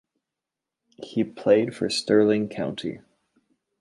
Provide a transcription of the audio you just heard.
He played for Stirling County.